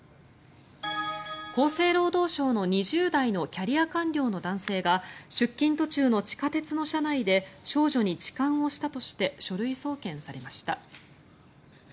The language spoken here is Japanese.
厚生労働省の２０代のキャリア官僚の男性が出勤途中の地下鉄の車内で少女に痴漢をしたとして書類送検されました。